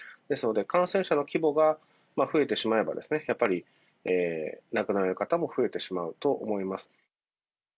ですので、感染者の規模が増えてしまえば、やっぱり亡くなられる方も増えてしまうと思います。